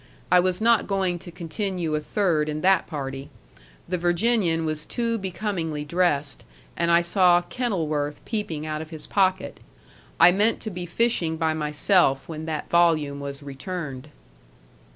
I was not going to continue a third in that party; the Virginian was too becomingly dressed, and I saw KENILWORTH peeping out of his pocket. I meant to be fishing by myself when that volume was returned.